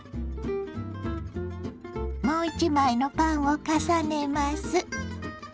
もう一枚のパンを重ねます。